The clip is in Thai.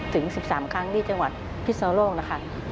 ถึง๑๓ครั้งที่จังหวัดพิศนโลกนะคะ